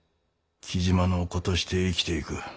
雉真の子として生きていく。